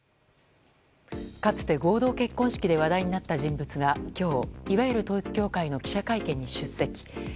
かつて、合同結婚式で話題になった人物が今日、いわゆる統一教会の記者会見に出席。